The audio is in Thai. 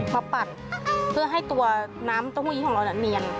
มาปัดเพื่อให้ตัวน้ำต้มผู้หยีของเราเนียน